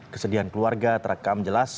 kesedihan keluarga terekam jelas